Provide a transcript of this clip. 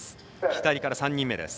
左から３人目です。